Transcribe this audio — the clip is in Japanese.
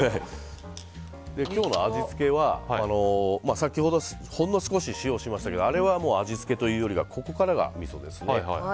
今日の味付けは先ほど、ほんの少し塩をしましたけどあれは味付けというよりはここからがみそですね。